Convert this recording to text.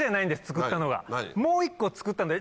作ったのは。